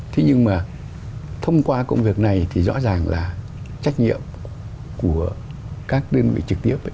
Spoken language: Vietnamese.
thế nhưng mà thông qua công việc này thì rõ ràng là trách nhiệm của các đơn vị trực tiếp